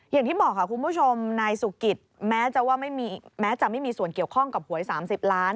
อย่างที่บอกค่ะคุณผู้ชมนายสุกิตแม้จะว่าแม้จะไม่มีส่วนเกี่ยวข้องกับหวย๓๐ล้าน